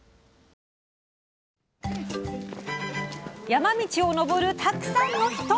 山道を登るたくさんの人。